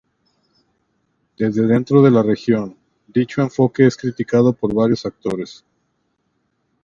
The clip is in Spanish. Desde dentro de la región, dicho enfoque es criticado por varios actores.